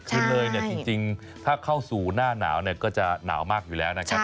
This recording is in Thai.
คือเลยเนี่ยจริงถ้าเข้าสู่หน้าหนาวเนี่ยก็จะหนาวมากอยู่แล้วนะครับ